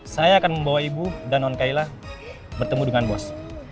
saya akan membawa ibu dan non kaila bertemu dengan bos